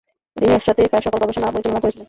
তিনি একসাথেই প্রায় সকল গবেষণা পরিচালনা করেছিলেন।